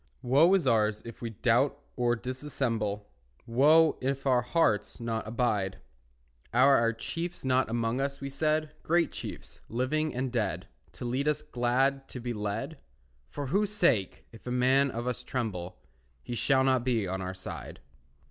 Woe is ours if we doubt or dissemble, Woe, if our hearts not abide. Are our chiefs not among us, we said, Great chiefs, living and dead, To lead us glad to be led? For whose sake, if a man of us tremble, He shall not be on our side.